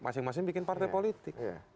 masing masing bikin partai politik